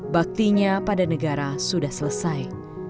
baktinya pada negara sudah selesai